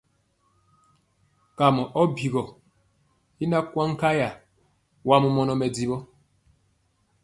Kamɔ ɔ bigɔ i na kwaŋ nkaya, wa mɔmɔnɔ mɛdiwɔ.